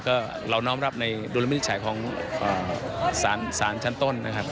ก็เราน้อมรับในดุลวินิจฉัยของสารชั้นต้นนะครับ